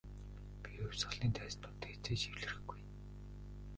Би хувьсгалын дайснуудтай хэзээ ч эвлэрэхгүй.